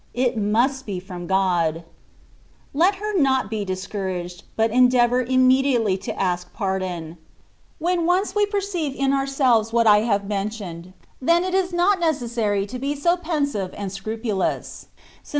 It must be from God ), let her not be discouraged, but endeavour imme diately to ask pardon. When once we perceive in ourselves what I have mentioned, then it is not necessary to be so pensive and scrupulous, since ^ nntis, the fear of God. THE WAY OF PERFECTION.